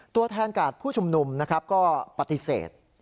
ตัวแทนกาสผู้ชุมนุมก็ปฏิเสธ